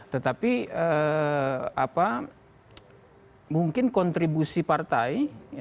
tetapi mungkin kontribusi partai